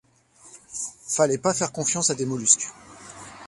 Fallait pas faire confiance à des mollusques.